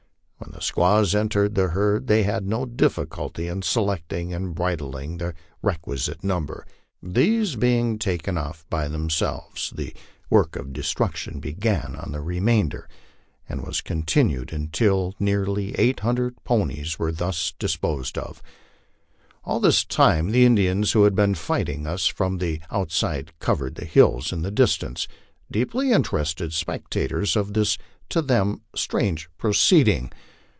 When the squaws entered the herd they had no difficulty in selecting and bridling the requisite number. These being taken off by themselves, the work of destruction began on the re mainder, and was continued until nearly eight hundred ponies were thus dis posed of. All this time the Indians who had been fighting us from tho outside covered the hills in the distance, deeply interested spectators of this to them strange proceeding.